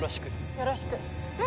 よろしく。